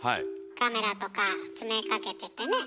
カメラとか詰めかけててね。